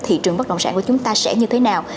thị trường bất động sản của chúng ta sẽ như thế nào